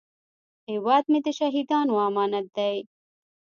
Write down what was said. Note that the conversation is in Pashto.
هیواد مې د شهیدانو امانت دی